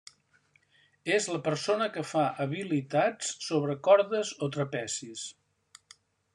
És la persona que fa habilitats sobre cordes o trapezis.